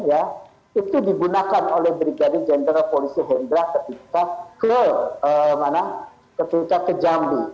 itu digunakan oleh brigadir jenderal polisi hendra ketika ke jambi